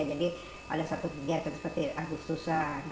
jadi pada satu kegiatan seperti agus tusan